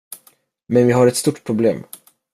Men vi har ett stort problem.